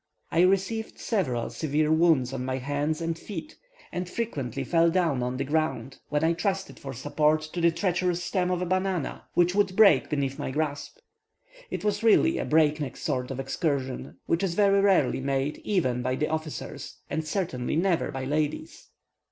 I received several severe wounds on my hands and feet, and frequently fell down on the ground, when I trusted for support to the treacherous stem of a banana, which would break beneath my grasp. It was really a breakneck sort of excursion, which is very rarely made even by the officers, and certainly never by ladies.